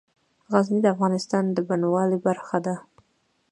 غزني د افغانستان د بڼوالۍ برخه ده.